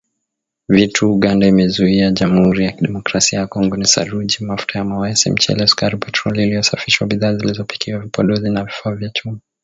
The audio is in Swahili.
Vitu Uganda imezuia Jamhuri ya Kidemokrasia ya Kongo ni saruji, mafuta ya mawese, mchele, sukari, petroli iliyosafishwa, bidhaa zilizopikwa, vipodozi na vifaa vya chuma.